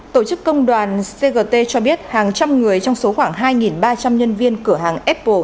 tổ chức công đoàn cgt cho biết hàng trăm người trong số khoảng hai ba trăm linh nhân viên cửa hàng apple